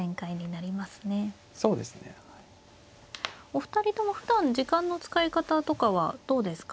お二人ともふだん時間の使い方とかはどうですか。